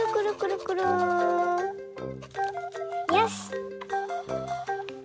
よし！